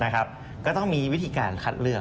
ก็ต้องมีวิธีการคัดเลือก